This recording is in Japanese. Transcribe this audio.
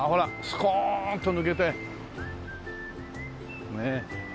スコーンと抜けてねっ。